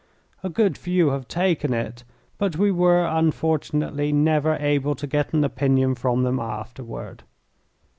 A good few have taken it, but we were, unfortunately, never able to get an opinion from them afterward.